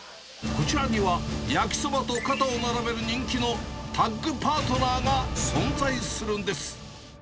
こちらには焼きそばと肩を並べる人気のタッグパートナーが存在するんです。